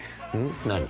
何？